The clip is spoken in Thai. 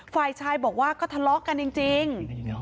ฝ่ายชายบอกว่าก็ทะเลาะกันจริง